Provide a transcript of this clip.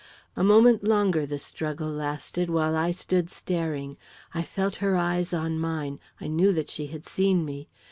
A moment longer the struggle lasted, while I stood staring; I felt her eyes on mine, I knew that she had seen me.